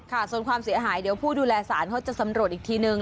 ค่ะส่วนความเสียหายเดี๋ยวผู้ดูแลสารเขาจะสำรวจอีกทีนึง